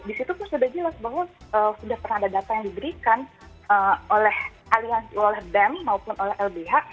di situ pun sudah jelas bahwa sudah pernah ada data yang diberikan oleh aliansi oleh bem maupun oleh lbh